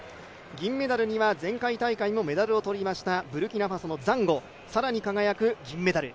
銀メダルには前回大会もメダルを取りましたブルキナファソのザンゴ、更に輝く銀メダル。